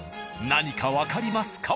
何かわかりますか？